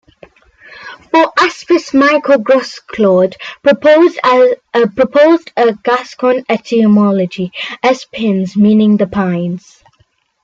For "Aspis" Michel Grosclaude proposed a Gascon etymology "es pins" meaning "the pines".